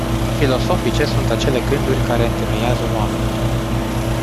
Filosofice sunt acele gândiri care întemeiază oameni.